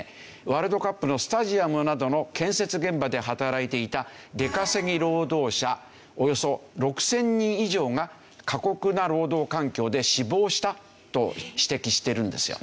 ワールドカップのスタジアムなどの建設現場で働いていた出稼ぎ労働者およそ６０００人以上が過酷な労働環境で死亡したと指摘してるんですよ。